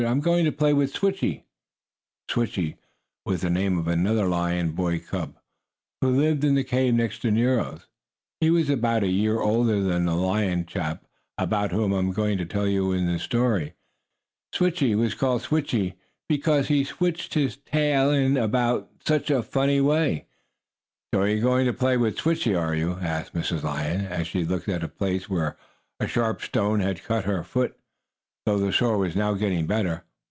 "I'm going to play with Switchie." "Switchie," was the name of another lion boy cub, who lived in the cave next to Nero's. He was about a year older than the lion chap about whom I am going to tell you in this story. Switchie was called that because he switched his tail about in such a funny way. "So you are going to play with Switchie, are you?" asked Mrs. Lion, as she looked at a place where a sharp stone had cut her foot, though the sore was now getting better.